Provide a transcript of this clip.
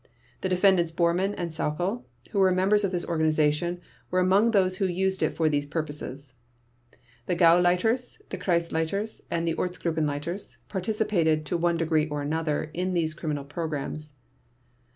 The Defendants Bormann and Sauckel, who were members of this organization, were among those who used it for these purposes. The Gauleiters, the Kreisleiters, and the Ortsgruppenleiters participated, to one degree or another, in these criminal programs.